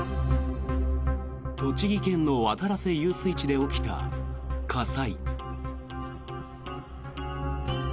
栃木県の渡良瀬遊水地で起きた火災。